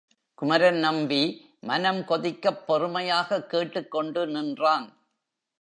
குமரன் நம்பி மனம் கொதிக்கப் பொறுமையாகக் கேட்டுக்கொண்டு நின்றான்.